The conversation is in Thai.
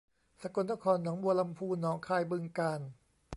สกลนครหนองบัวลำภูหนองคายบึงกาฬ